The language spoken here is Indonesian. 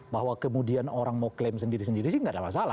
bahwa kemudian orang mau klaim sendiri sendiri sih nggak ada masalah